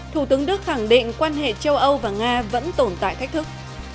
thủ tướng đức khẳng định quan hệ châu âu và nga vẫn tồn tại thách thức